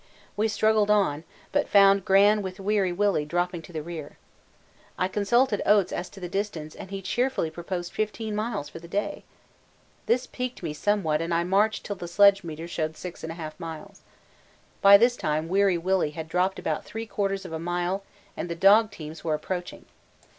We struggled on, but found Gran with Weary Willy dropping to the rear. I consulted Oates as to distance and he cheerfully proposed 15 miles for the day! This piqued me somewhat and I marched till the sledge meter showed 6 1/2 miles. By this time Weary Willy had dropped about three quarters of a mile and the dog teams were approaching.